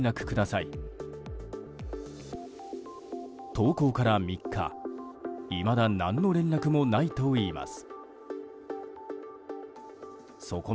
投稿から３日、いまだ何の連絡もないといいます。